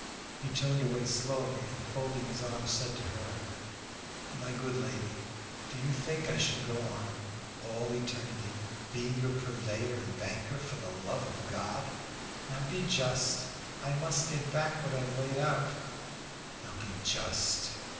He turned away slowly, and, folding his arms, said to her "My good lady, did you think I should go on to all eternity being your purveyor and banker, for the love of God? Now be just. I must get back what I've laid out. Now be just."